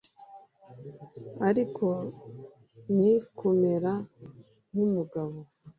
ariko ni kumera nk'umugabo. ”